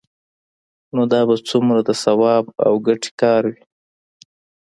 نو دا به څومره د ثواب او ګټې کار وي؟